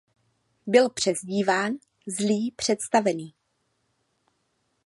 Byl přezdíván "zlý představený"